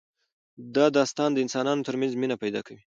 دا داستان د انسانانو ترمنځ مینه پیدا کوي.